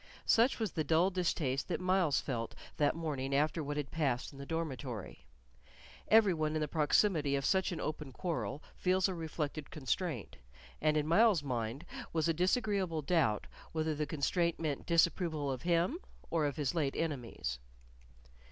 Such was the dull distaste that Myles felt that morning after what had passed in the dormitory. Every one in the proximity of such an open quarrel feels a reflected constraint, and in Myles's mind was a disagreeable doubt whether that constraint meant disapproval of him or of his late enemies.